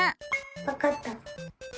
わかった！